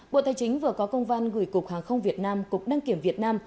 bộ tài chính vừa có công văn gửi cục hàng không việt nam cục đăng kiểm việt nam